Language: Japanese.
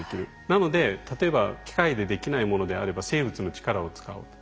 なので例えば機械でできないものであれば生物の力を使うと。